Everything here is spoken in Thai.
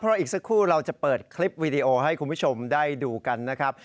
เพราะอีกสักครู่เราจะเปิดคลิปวีดีโอให้คุณผู้ชมได้ดูกันนะครับ